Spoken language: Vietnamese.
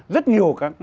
rất nhiều các